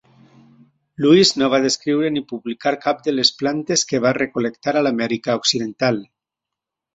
Lewis no va descriure ni publicar cap de les plantes que va recol·lectar a l'Amèrica occidental.